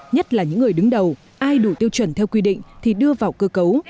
nhất là những người đứng đầu ai đủ tiêu chuẩn theo quy định thì đưa vào cơ cấu